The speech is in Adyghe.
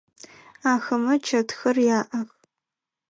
Ахэмэ чэтхэр яӏэх.